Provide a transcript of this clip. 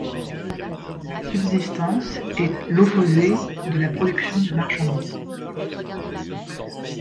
La subsistance est l'opposé de la production de marchandise.